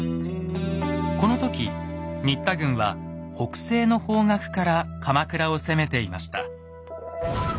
この時新田軍は北西の方角から鎌倉を攻めていました。